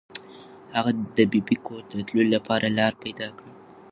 هغه د ببۍ کور ته د تللو لپاره لاره پیدا کړه.